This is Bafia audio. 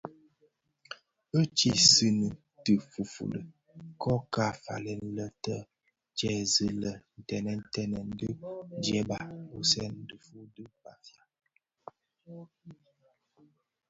I ti siňii tifufuli, kō ka falèn lè tè tèèzi lè tèntèň dhi ndieba utsem dhifuu di Bafia.